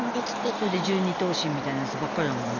それで１２頭身みたいなやつばっかりだもんね。